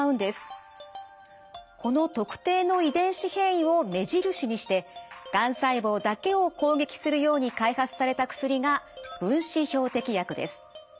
この特定の遺伝子変異を目印にしてがん細胞だけを攻撃するように開発された薬が分子標的薬です。